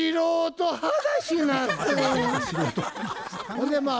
ほんでまあ